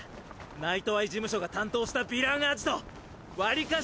ナイトアイ事務所が担当したヴィランアジトわりかし